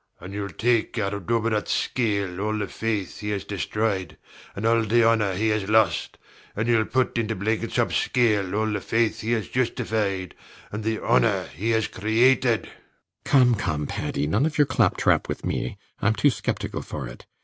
SIR PATRICK. And youll take out of Dubedat's scale all the faith he has destroyed and the honor he has lost, and youll put into Blenkinsop's scale all the faith he has justified and the honor he has created. RIDGEON. Come come, Paddy! none of your claptrap with me: I'm too sceptical for it.